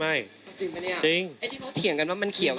จริงป่ะเนี่ยที่เค้าเถียงกันว่ามันเขียวอยู่จริงที่เค้าเถียงกันว่ามันเขียวอยู่